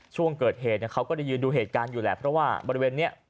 ช่วงเกิดเหตุเขาก็ได้ยืนดูเหตุการณ์อยู่แหละเพราะว่าบริเวณนี้